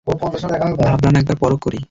ভাবলাম একবার পরখ করি।